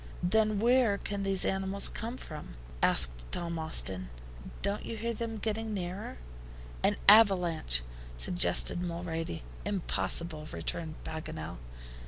"Then where can these animals come from?" asked Tom Austin. "Don't you hear them getting nearer!" "An avalanche," suggested Mulrady. "Impossible," returned Paganel.